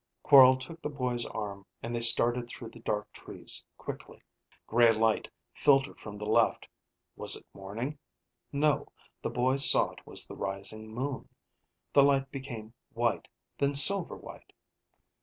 Quorl took the boy's arm and they started through the dark trees quickly. Gray light filtered from the left. Was it morning? No. The boy saw it was the rising moon. The light became white, then silver white.